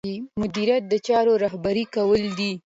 مدیریت د چارو رهبري کول دي.